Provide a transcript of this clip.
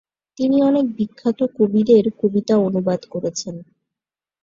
তিনি অনেক বিখ্যাত কবিদের কবিতা অনুবাদ করেছেন।